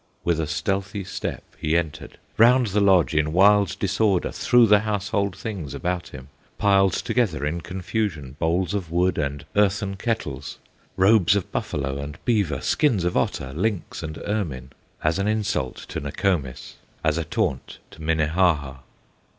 With a stealthy step he entered, Round the lodge in wild disorder Threw the household things about him, Piled together in confusion Bowls of wood and earthen kettles, Robes of buffalo and beaver, Skins of otter, lynx, and ermine, As an insult to Nokomis, As a taunt to Minnehaha.